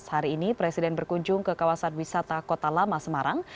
hari ini presiden berkunjung ke kawasan wisata kota lama semarang